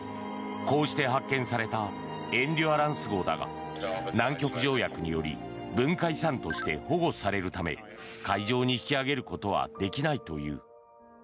こうして発見された「エンデュアランス号」だが南極条約により文化遺産として保護されるため海上に引き揚げることはできないという。